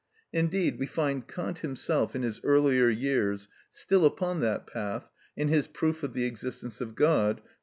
Indeed we find Kant himself, in his earlier years, still upon that path, in his "Proof of the Existence of God" (p.